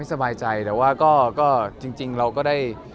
สบายใจแต่ว่าก็จริงเราก็ได้